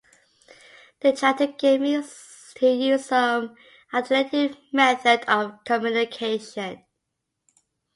They try to get me to use some alternative method of communication.